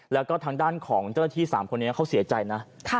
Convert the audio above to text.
แล้วก็ทางด้านของเจ้าหน้าที่๓คนนี้เขาเสียใจนะ